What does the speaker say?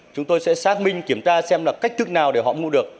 chúng tôi sẽ xác minh kiểm tra xem là cách thức nào để họ mua được